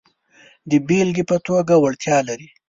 د بېلګې په توګه وړتیا لرل.